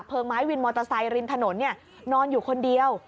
ไม้วินมอเตอร์ไซค์ริมถนนนอนอยู่คนเดียว